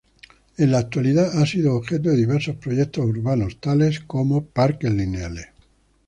En la actualidad, ha sido objeto de diversos proyectos urbanos, tales como parques lineales.